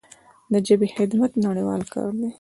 د ژبې خدمت نړیوال کار دی.